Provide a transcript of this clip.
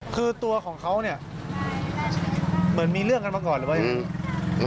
คือตัวของเขาเนี่ยเหมือนมีเรื่องกันมาก่อนเลยเว้ย